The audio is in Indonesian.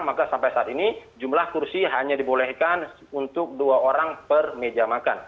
maka sampai saat ini jumlah kursi hanya dibolehkan untuk dua orang per meja makan